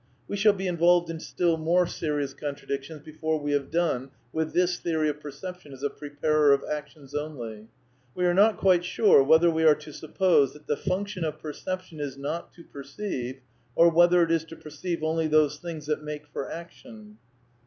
We shall be involved in still more^Berious contra dictions before we have done with this theory of percep tion as a preparer of actions only. We are not ^u™ sure whether we are to suppose that the function ofJXflrception is not to perceive, or whether it is to perceive only those things that make for action.